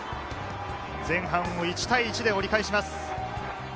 前半を１対１で折り返します。